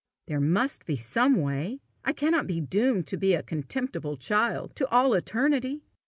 There must be some way! I cannot be doomed to be a contemptible child to all eternity!